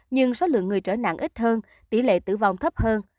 nhưng số lượng người trở nặng ít hơn tỷ lệ tử vong thấp hơn